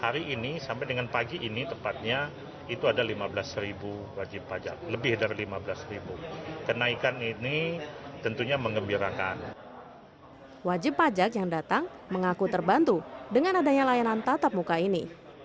wajib pajak yang datang mengaku terbantu dengan adanya layanan tatap muka ini